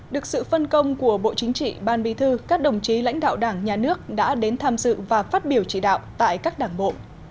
được sự phân công của bộ chính trị ban bí thư các đồng chí lãnh đạo đảng nhà nước đã đến tham dự và phát biểu chỉ đạo tại các đảng bộ